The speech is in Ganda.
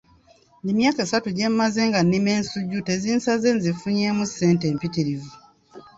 Emyaka esatu gye mmaze nga nnima ensujju tezinsaze nzifunyeemu ssente empitirivu.